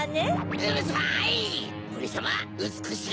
うるさい！